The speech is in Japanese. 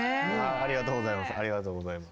ありがとうございます。